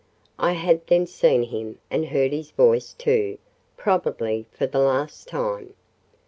I had then seen him, and heard his voice, too, probably for the last time.